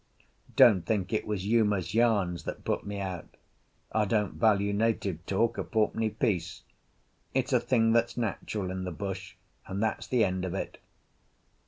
Don't think it was Uma's yarns that put me out; I don't value native talk a fourpenny piece; it's a thing that's natural in the bush, and that's the end of it.